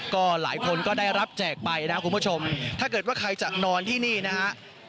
ก็หลายคนก็ได้รับแจกไปนะคุณผู้ชมถ้าเกิดว่าใครจะนอนที่นี่นะฮะ